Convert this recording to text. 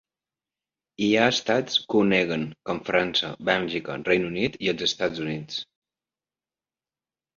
Hi ha estats que ho neguen, com França, Bèlgica, Regne Unit i els Estats Units.